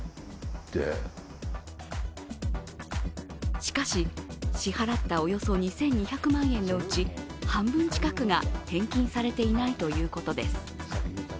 しかし、支払ったおよそ２２００万円のうち、半分近くが返金されていないということです。